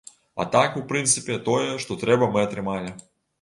А так, у прынцыпе, тое, што трэба, мы атрымалі.